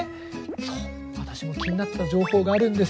そう私も気になってた情報があるんですよ。